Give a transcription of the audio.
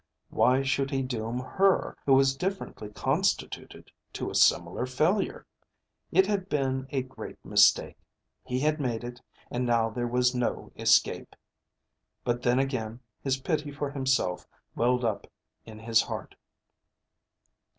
Why should he doom her, who was differently constituted, to similar failure? It had been a great mistake. He had made it and now there was no escape. But then again his pity for himself welled up in his heart.